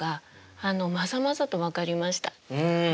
うん！